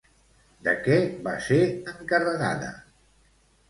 De què va ser encarregada?